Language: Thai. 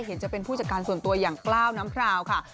เห็นจะเป็นผู้จัดการส่วนตัวอย่างกล้าวน้ำพราวค่ะ